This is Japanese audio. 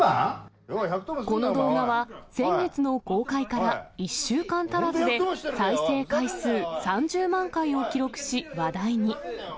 この動画は、先月の公開から１週間足らずで、再生回数３０万回を記録し、話題に。